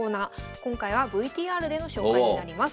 今回はＶＴＲでの紹介になります。